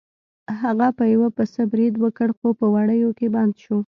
هغه په یو پسه برید وکړ خو په وړیو کې بند شو.